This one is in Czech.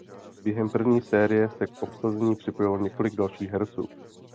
Během první sérii se k obsazení připojilo několik dalších herců.